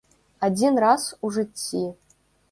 Адзін раз у жыцці.